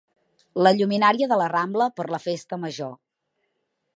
La lluminària de la Rambla per la festa major.